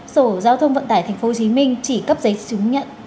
sở giao thông vận tải tp hcm chỉ cấp giấy chứng nhận